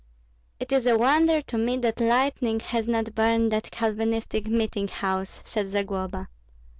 "It is a wonder to me that lightning has not burned that Calvinistic meeting house," said Zagloba.